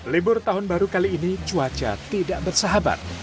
libur tahun baru kali ini cuaca tidak bersahabat